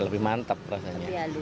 lebih mantap rasanya